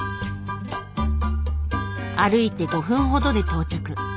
歩いて５分ほどで到着。